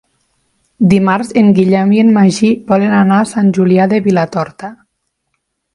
Dimarts en Guillem i en Magí volen anar a Sant Julià de Vilatorta.